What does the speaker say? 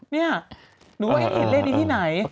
เนี่ยหรือว่าเฮดเลขนี้ที่ไหน